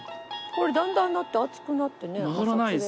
これだんだんだって熱くなってね摩擦で。